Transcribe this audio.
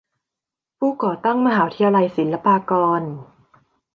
ผู้ก่อตั้งมหาวิทยาลัยศิลปากร